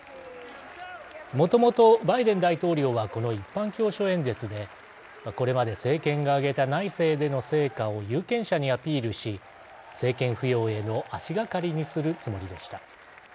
もともとバイデン大統領はこの一般教書演説でこれまで政権が挙げた内政での成果を有権者にアピールし政権浮揚への足がかりにするつもりでした。